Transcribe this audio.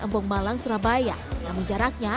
embung malang surabaya namun jaraknya